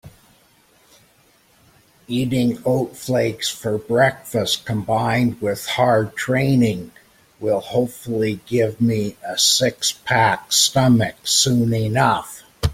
Eating oat flakes for breakfast combined with hard training will hopefully give me a six-pack stomach soon enough.